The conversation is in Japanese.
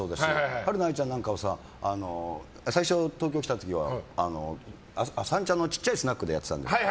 はるな愛ちゃんなんかは最初、東京来た時は三茶のちっちゃいスナックでやってたんだよ。